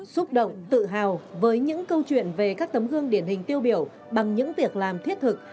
xúc động tự hào với những câu chuyện về các tấm gương điển hình tiêu biểu bằng những việc làm thiết thực